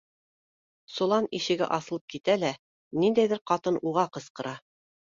Солан ишеге асылып китә лә ниндәйҙер ҡатын уға ҡысҡыра: